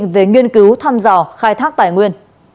về nghiên cứu thăm dò khai thác tài nguyên